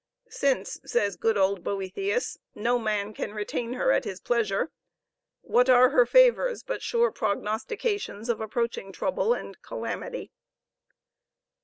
"Since," says good old Boethius, "no man can retain her at his pleasure, what are her favors but sure prognostications of approaching trouble and calamity?"